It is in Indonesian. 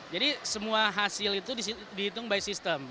jadi semua hasil itu dihitung by system